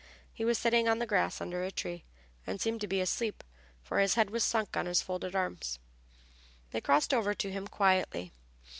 He was sitting on the grass under a tree, and seemed to be asleep, for his head was sunk on his folded arms. They crossed over to him quietly.